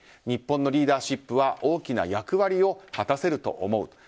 日本のリーダーシップは大きな役割を果たせると思う。